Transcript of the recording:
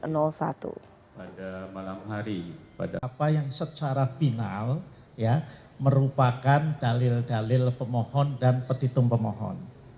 pada malam hari pada apa yang secara final merupakan dalil dalil pemohon dan petitum pemohon